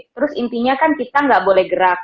terus intinya kan kita nggak boleh gerak